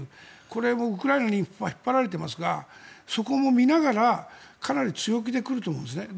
これ、ウクライナに引っ張られていますがそこも見ながらかなり強気で来ると思うんです。